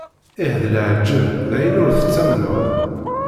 Ih, d leεǧeb, d ayen ur tettamneḍ!